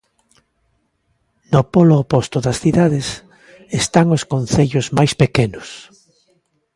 No polo oposto das cidades están os concellos máis pequenos.